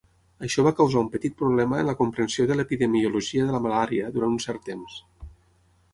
Això va causar un petit problema en la comprensió de l'epidemiologia de la malària durant un cert temps.